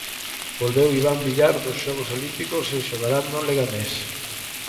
Volveu Iván Villar dos Xogos Olímpicos e xogará no Leganés.